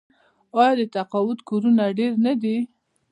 آیا د تقاعد کورونه ډیر نه دي؟